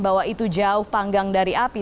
bahwa itu jauh panggang dari api